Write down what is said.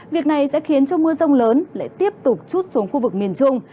việc này sẽ khiến cho mưa rông lớn lại tiếp tục chút xuống khu vực miền trung